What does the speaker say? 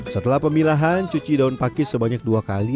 setelah pemilahan cuci daun pakis sebanyak dua kali